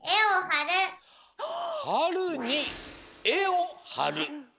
「はるにえをはる」。